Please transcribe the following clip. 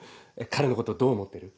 「彼のことどう思ってる？